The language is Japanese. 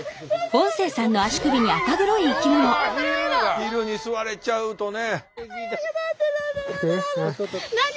ヒルに吸われちゃうとね。